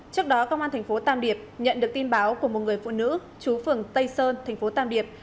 trước đó công an tp tàm điệp nhận được tin báo của một người phụ nữ chú phường tây sơn tp tàm điệp